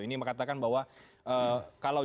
ini mengatakan bahwa kalau